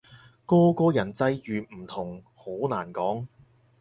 個個人際遇唔同，好難講